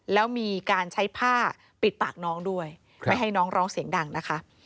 แล้วมีการใช้ผ้าปิดปากน้องด้วยไม่ให้น้องร้องเสียงดังนะคะ